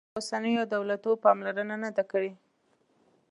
پخوانیو او اوسنیو دولتونو پاملرنه نه ده کړې.